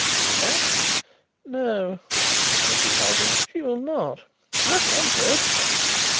She will not?" "No," admitted Hollyer, "she will not. I at once urged that."